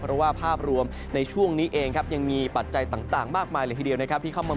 เพราะว่าภาพรวมในช่วงนี้เองยังมีปัจจัยต่างมากมายทีเดียวที่เข้ามา